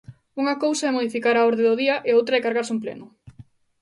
Unha cousa é modificar a orde do día e outra é cargarse un pleno.